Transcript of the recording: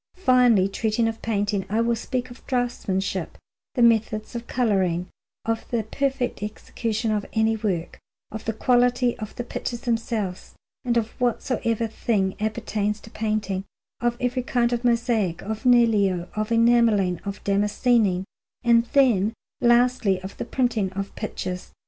Finally, treating of painting, I will speak of draughtsmanship, of the methods of colouring, of the perfect execution of any work, of the quality of the pictures themselves, and of whatsoever thing appertains to painting; of every kind of mosaic, of niello, of enamelling, of damascening, and then, lastly, of the printing of pictures.